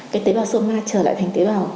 cái tế bào soma trở lại thành tế bào